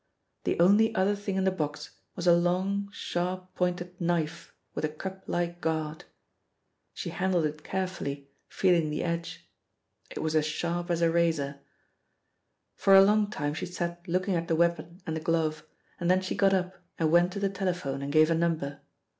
The only other thing in the box was a long, sharp pointed knife with a cup like guard. She handled it carefully, feeling the edge; it was as sharp as a razor. For a long time she sat looking at the weapon and the glove, and then she got up and went to the telephone and gave a number.